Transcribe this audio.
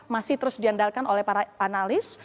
masih terus diandalkan oleh para analis